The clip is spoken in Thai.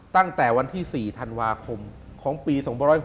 ตั้งแต่วันที่๔ธันวาคมของปี๒๖๖